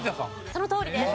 そのとおりです。